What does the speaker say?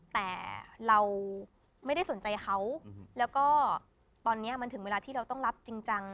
แต่เราไม่ได้สนใจเขาแล้วก็ตอนนี้มันถึงเวลาที่เราต้องรับจริงจัง